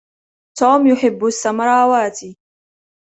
توم يحب السمراوات.